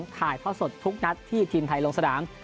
ถ่ายทอดสดทุกนัดที่ทีมไทยลงสนาม